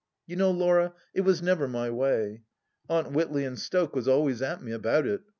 Yov know, Laura, it was never my way. Aunt Witley and Stoke was always at me about it.